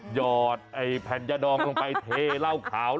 หยอดแผ่นยาดองลงไปเทเหล้าขาว